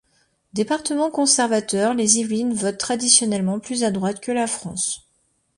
Département conservateur, les Yvelines votent traditionnellement plus à droite que la France.